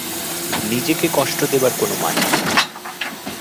নিজেকে কষ্ট দেবার কোনো মানে হয় না।